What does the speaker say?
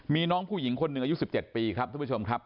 มีน้องผู้หญิงคนหนึ่งอายุ๑๗ปีครับท่านผู้ชมครับ